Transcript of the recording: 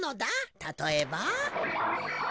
たとえば。